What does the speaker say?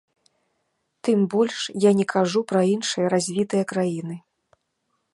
Тым больш я не кажу пра іншыя развітыя краіны.